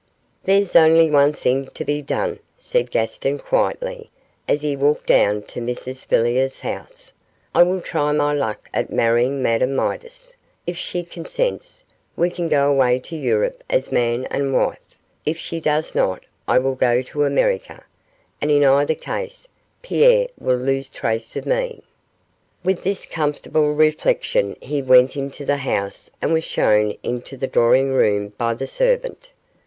'There's only one thing to be done,' said Gaston, quietly, as he walked down to Mrs Villiers' house; 'I will try my luck at marrying Madame Midas; if she consents, we can go away to Europe as man and wife; if she does not I will go to America, and, in either case, Pierre will lose trace of me.' With this comfortable reflection he went into the house and was shown into the drawing room by the servant.